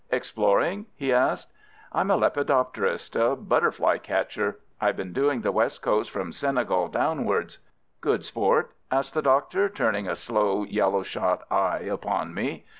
"Exploring?" he asked. "I'm a lepidopterist—a butterfly catcher. I've been doing the west coast from Senegal downwards." "Good sport?" asked the Doctor, turning a slow yellow shot eye upon me.